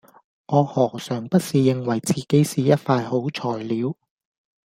我何嘗不是認為自己是一塊好材料